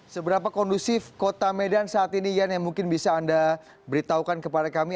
seberapa kondusif kota medan saat ini yan yang mungkin bisa anda beritahukan kepada kami